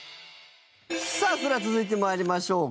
さあそれでは続いて参りましょうか。